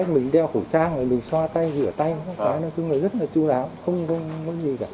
mình đeo khẩu trang mình xoa tay rửa tay rất là chú đáo không có gì cả